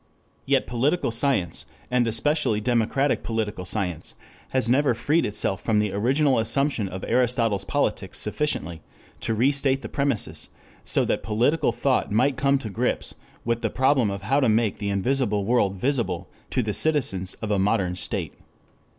Yet political science, and especially democratic political science, has never freed itself from the original assumption of Aristotle's politics sufficiently to restate the premises, so that political thought might come to grips with the problem of how to make the invisible world visible to the citizens of a modern state.